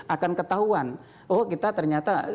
akan ketahuan oh kita ternyata